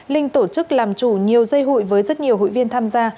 linh tổ chức làm chủ nhiều dây hụi với rất nhiều hội viên tham gia